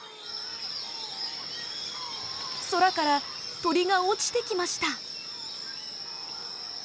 空から鳥が落ちてきました。